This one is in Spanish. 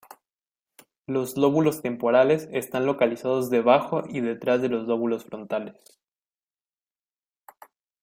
Los lóbulos temporales están localizados debajo y detrás de los lóbulos frontales.